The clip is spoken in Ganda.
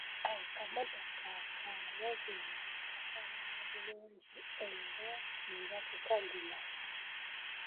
Akamotoka ka Wogen kafaanana bulungi era nja kukagula.